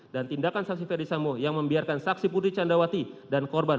dan tindakan saksi ferdisambo yang membiarkan saksi putri candrawati dan korban